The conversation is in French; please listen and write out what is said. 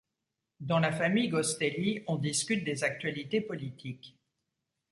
Dans la famille Gosteli on discute des actualités politiques.